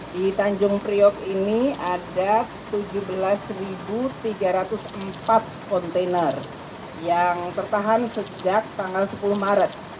di tanjung priok ini ada tujuh belas tiga ratus empat kontainer yang tertahan sejak tanggal sepuluh maret